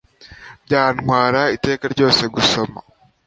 Byantwara iteka ryose gusoma